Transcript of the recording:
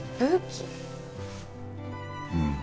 うん。